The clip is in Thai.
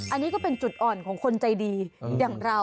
อันนี้ก็เป็นจุดอ่อนของคนใจดีอย่างเรา